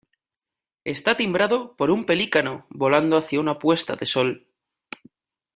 Está timbrado por un pelícano volando hacia una puesta de sol.